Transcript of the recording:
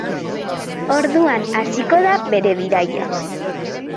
Orduan hasiko da bere bidaia.